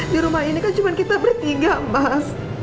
di rumah ini kan cuma kita bertiga mas